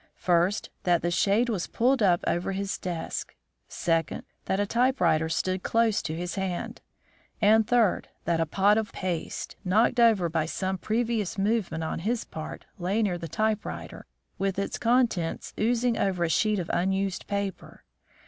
First, that the shade was pulled up over his desk; second, that a typewriter stood close to his hand; and third, that a pot of paste, knocked over by some previous movement on his part, lay near the typewriter, with its contents oozing over a sheet of unused paper.